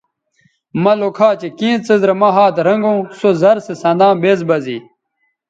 مہ لوکھا چہء کیں څیز رے ھات رھنگوں سو زر سو سنداں بیز بہ زے